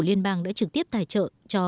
liên bang đã trực tiếp tài trợ cho